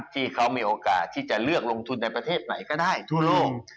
ที่เขามีโอกาสที่จะเลือกลงทุนในประเทศไหนก็ได้ทั่วโลก